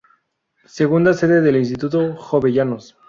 Segunda sede del Instituto Jovellanos.